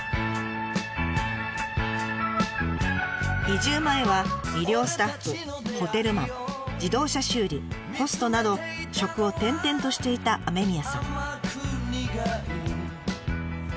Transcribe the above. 移住前は医療スタッフホテルマン自動車修理ホストなど職を転々としていた雨宮さん。